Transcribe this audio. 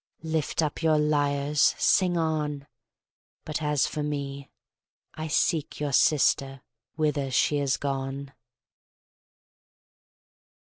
Lift up your lyres! Sing on! But as for me, I seek your sister whither she is gone.